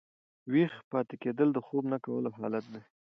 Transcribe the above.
ویښ پاته کېدل د خوب نه کولو حالت دئ.